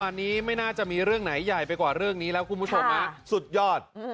อันนี้ไม่น่าจะมีเรื่องไหนใหญ่ไปกว่าเรื่องนี้แล้วคุณผู้ชมสุดยอด